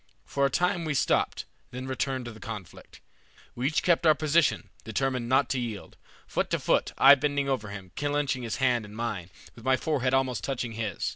For a time we stopped, then returned to the conflict. We each kept our position, determined not to yield, foot to foot, I bending over him, clenching his hand in mine, with my forehead almost touching his.